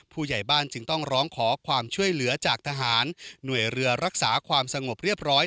ผู้ใหญ่บ้านจึงต้องร้องขอความช่วยเหลือจากทหารหน่วยเรือรักษาความสงบเรียบร้อย